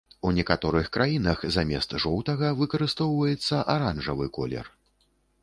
У некаторых краінах замест жоўтага выкарыстоўваецца аранжавы колер.